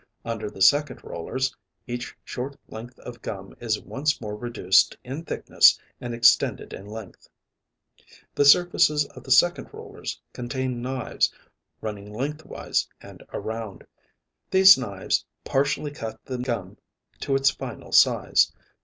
Under the second rollers each short length of gum is once more reduced in thickness and extended in length. The surfaces of the second rollers contain knives running lengthwise and around. These knives partially cut the gum to its final size.